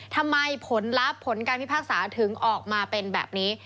ผลลัพธ์ผลการพิพากษาถึงออกมาเป็นแบบนี้